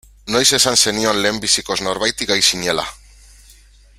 Noiz esan zenion lehendabizikoz norbaiti gay zinela.